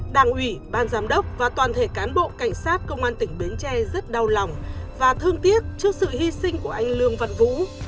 đảng ủy ban giám đốc và toàn thể cán bộ cảnh sát công an tỉnh bến tre rất đau lòng và thương tiếc trước sự hy sinh của anh lương văn vũ